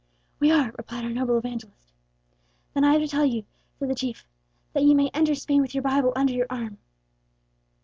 'We are,' replied our noble evangelist. 'Then I have to tell you,' said the chief, 'that you may enter Spain with your Bible under your arm.'"